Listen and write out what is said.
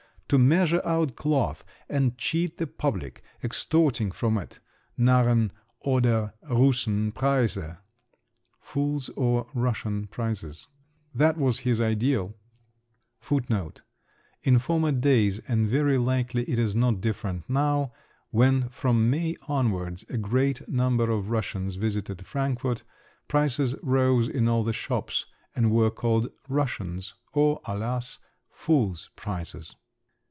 To measure out cloth—and cheat the public, extorting from it "Narren—oder Russen Preise" (fools'—or Russian prices)—that was his ideal! In former days—and very likely it is not different now—when, from May onwards, a great number of Russians visited Frankfort, prices rose in all the shops, and were called "Russians'," or, alas! "fools' prices."